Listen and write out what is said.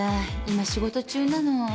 今仕事中なの。